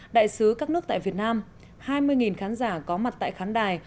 đại sứ các nước tại việt nam hai mươi khán giả có mặt tại khán đài